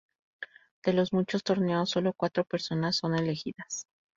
De los muchos torneos, sólo cuatro personas son elegidas.